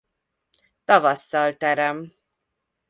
Tavasszal terem.